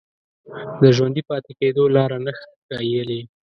د ژوندي پاتې کېدو لاره نه ښييلې